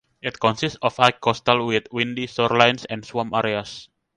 It consists of high coastal with windy shorelines and swamp areas.